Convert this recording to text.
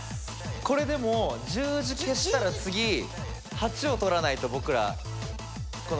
これでも十字消したら次８を取らないと僕らこの。